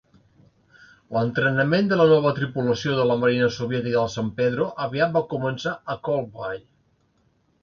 L'entrenament de la nova tripulació de la marina soviètica del "San Pedro" aviat va començar a Cold Bay.